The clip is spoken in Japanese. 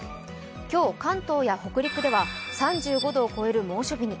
今日、関東や北陸では３５度を超える猛暑日に。